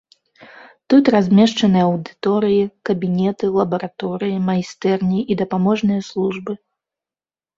Тут размешчаны аўдыторыі, кабінеты, лабараторыі, майстэрні і дапаможныя службы.